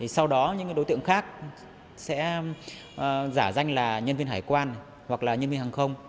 sau đó những đối tượng khác sẽ giả danh là nhân viên hải quan hoặc là nhân viên hàng không